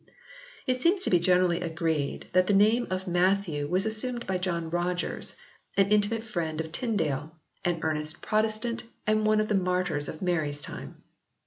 It seems to be generally agreed that the name of Matthew was assumed by John Rogers, an intimate friend of Tyndale, an earnest Protestant and one of the martyrs of Mary s time.